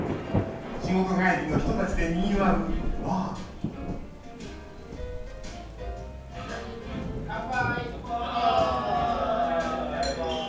仕事帰りの人たちでにぎわう乾杯！